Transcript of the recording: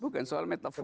bukan soal metafor